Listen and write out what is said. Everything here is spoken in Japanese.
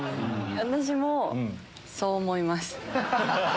私もそう思います。